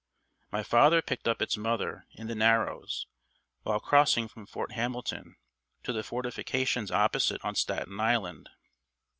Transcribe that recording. My father picked up its mother in the "Narrows" while crossing from Fort Hamilton to the fortifications opposite on Staten Island.